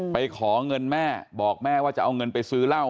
ขอเงินแม่บอกแม่ว่าจะเอาเงินไปซื้อเหล้า